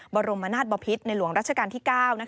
บรมนาศบพิษในหลวงรัชกาลที่๙